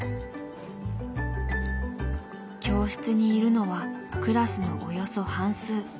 教室にいるのはクラスのおよそ半数。